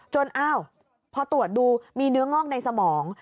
อ้าวพอตรวจดูมีเนื้องอกในสมอง